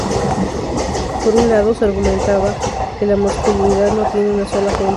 Por un lado, se argumenta que la masculinidad no tiene una sola fuente.